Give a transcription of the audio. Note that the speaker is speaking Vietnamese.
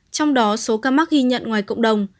trong đó số ca mắc ghi nhận ngoài cộng đồng